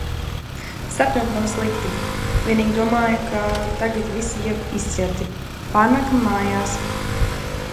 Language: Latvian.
Sapņot nav slikti. Vienīgi domāju, ka tagad visi jau izķerti. Pārnākam mājas.